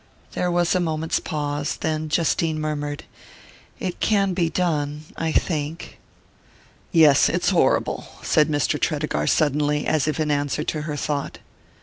There was a moment's pause; then Justine murmured: "It can be done...I think...." "Yes it's horrible," said Mr. Tredegar suddenly, as if in answer to her thought.